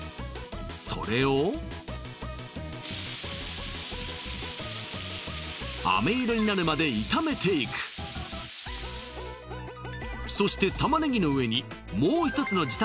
それをあめ色になるまで炒めていくそして玉ねぎの上にもう一つの時短